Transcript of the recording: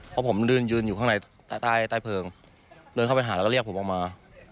เพราะผมยืนยืนอยู่ข้างในใต้เพลิงเดินเข้าไปหาแล้วก็เรียกผมออกมา